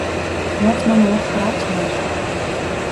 Найз маань уурлахаараа чанга ярьдаг.